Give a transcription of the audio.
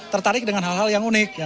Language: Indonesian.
tertarik dengan hal hal yang unik